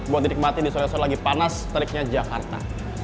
buat dinikmati di sore sore lagi panas teriknya jakarta